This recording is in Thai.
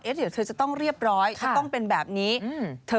เอ๊ะเดี๋ยวเธอจะต้องเรียบร้อยถ้าต้องเป็นแบบนี้อืมเธอ